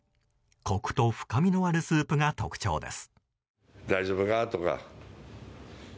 コクと深みのあるスープが特徴です。